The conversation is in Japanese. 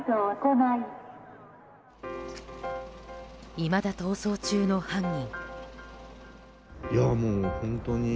いまだ逃走中の犯人。